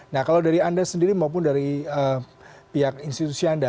nah kalau dari anda sendiri maupun dari pihak institusi anda